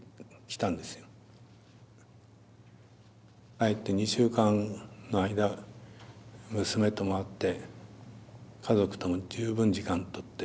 帰って２週間の間娘とも会って家族とも十分時間とって。